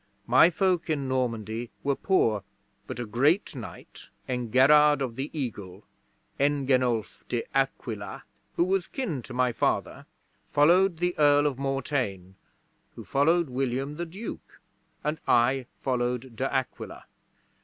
My folk in Normandy were poor; but a great knight, Engerrard of the Eagle Engenulf De Aquila who was kin to my father, followed the Earl of Mortain, who followed William the Duke, and I followed De Aquila.